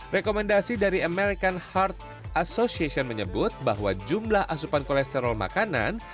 rekomendasi dari american heart association menyebut bahwa jumlah asupan kolesterol makanan